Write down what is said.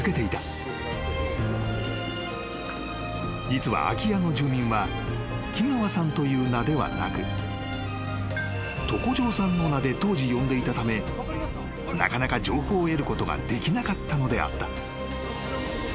［実は秋谷の住民は木川さんという名ではなく床長さんの名で当時呼んでいたためなかなか情報を得ることができなかったのであった］